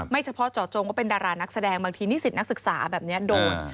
เฉพาะเจาะจงว่าเป็นดารานักแสดงบางทีนิสิตนักศึกษาแบบนี้โดน